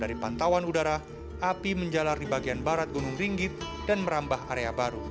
dari pantauan udara api menjalar di bagian barat gunung ringgit dan merambah area baru